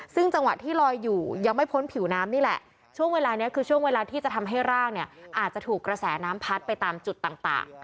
ซึ่งจังหวะที่ลอยอยู่ยังไม่พ้นผิวน้ำนี่แหละช่วงเวลานี้คือช่วงเวลาที่จะทำให้ร่างเนี่ยอาจจะถูกกระแสน้ำพัดไปตามจุดต่าง